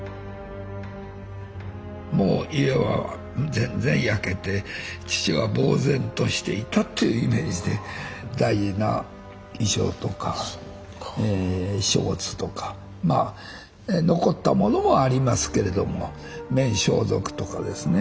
もう家は全然焼けて父は呆然としていたというイメージで大事な衣装とか書物とか残ったものはありますけれども面装束とかですね